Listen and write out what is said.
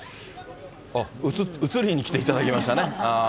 映りに来ていただきましたね。